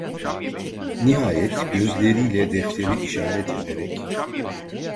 Nihayet gözleriyle defteri işaret ederek: